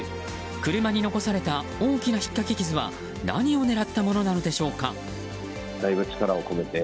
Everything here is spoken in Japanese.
車に残された大きなひっかき傷は何を狙ったものなのでしょうか。